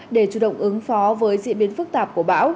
để chủ động ứng phó với diễn biến phức tạp của bão